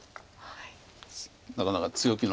なかなか強気の。